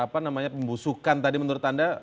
pembusukan tadi menurut anda